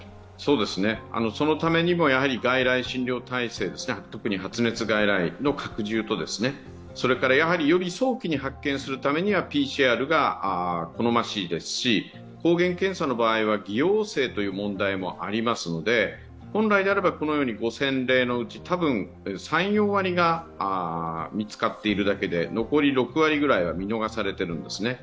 そのためにも外来診療体制、特に発熱外来の拡充と、やはりより早期に発見するためにはＰＣＲが好ましいですし抗原検査の場合は、偽陽性という問題もありますので本来であれば５０００例のうちたぶん３４割が見つかっているだけで残り６割くらいは見逃されているんですね。